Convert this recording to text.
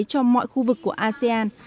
cho mọi khu vực của asean